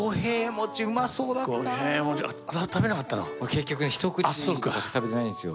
結局ね、一口しか食べてないんですよ。